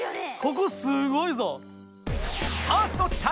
ここすごいぞ！